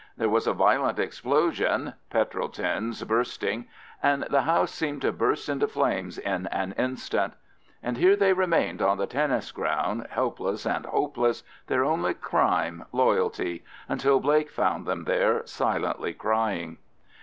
There was a violent explosion (petrol tins bursting), and the house seemed to burst into flames in an instant. And here they remained on the tennis ground, helpless and hopeless, their only crime Loyalty, until Blake found them there, silently crying.